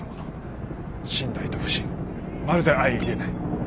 信頼と不信まるで相いれない。